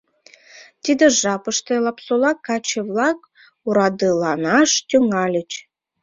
Тиде жапыште Лапсола каче-влак орадыланаш тӱҥальыч.